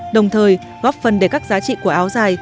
đồng thời góp phần để các giá trị của áo dài